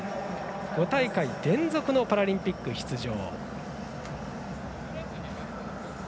５大会連続のパラリンピック出場。